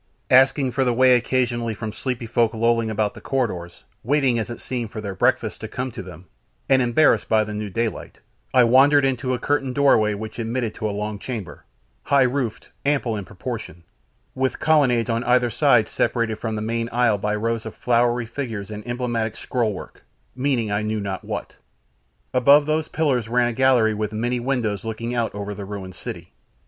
Asking for the way occasionally from sleepy folk lolling about the corridors, waiting as it seemed for their breakfasts to come to them, and embarrassed by the new daylight, I wandered to and fro in the labyrinths of that stony ant heap until I chanced upon a curtained doorway which admitted to a long chamber, high roofed, ample in proportions, with colonnades on either side separated from the main aisle by rows of flowery figures and emblematic scroll work, meaning I knew not what. Above those pillars ran a gallery with many windows looking out over the ruined city.